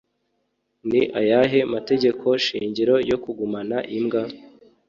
Ni ayahe mategeko shingiro yo kugumana imbwa?